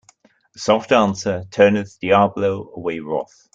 A soft answer turneth diabo away wrath.